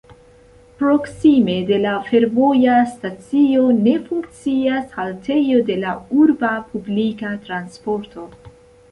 Proksime de la fervoja stacio ne funkcias haltejoj de la urba publika transporto.